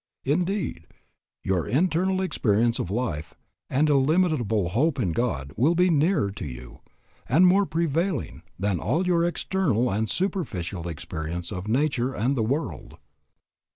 Indeed, your internal experience of life, and illimitable Hope in God will be nearer to you, and more prevailing, than all your external and superficial experience of nature and the world."